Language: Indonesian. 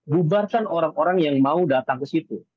bubarkan orang orang yang mau datang ke situ